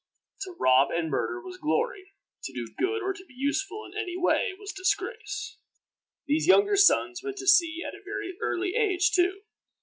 To rob and murder was glory; to do good or to be useful in any way was disgrace. These younger sons went to sea at a very early age too.